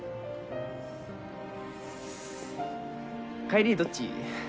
帰りどっち？